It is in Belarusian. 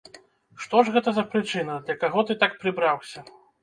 Што ж гэта за прычына, для каго ты так прыбраўся?